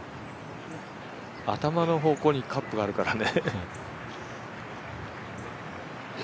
頭の方向にカップがあるからね。